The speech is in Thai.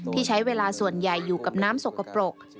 ที่ใช้เวลาส่วนใหญ่อยู่กับน้ำสกปรก